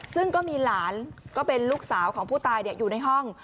ซึ่งก็มีหลานก็เป็นลูกสาวของผู้ตายอยู่ในห้อง